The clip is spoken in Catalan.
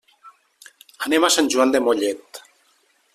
Anem a Sant Joan de Mollet.